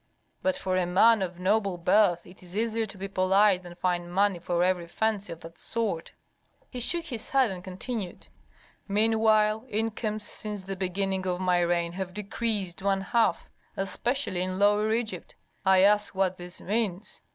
But for a man of noble birth it is easier to be polite than find money for every fancy of that sort." He shook his head and continued, "Meanwhile incomes since the beginning of my reign have decreased one half, especially in Lower Egypt. I ask what this means.